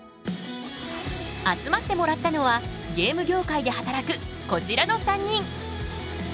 集まってもらったのはゲーム業界で働くこちらの３人。